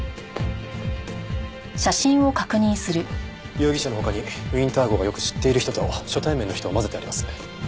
容疑者の他にウィンター号がよく知っている人と初対面の人を交ぜてあります。